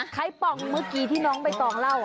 คล้ายปองเมื่อกี้ที่น้องไปต่อเล่าอะ